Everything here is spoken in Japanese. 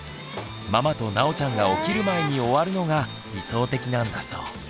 ママとなおちゃんが起きる前に終わるのが理想的なんだそう。